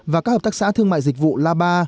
và các hợp tác xã thương mại dịch vụ la ba